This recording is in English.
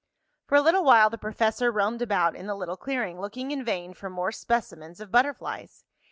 For a little while the professor roamed about in the little clearing, looking in vain for more specimens of butterflies.